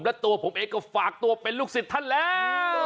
และตัวผมเองก็ฝากตัวเป็นลูกศิษย์ท่านแล้ว